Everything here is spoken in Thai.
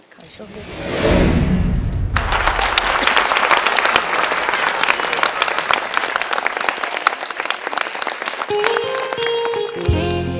ขอโชคดี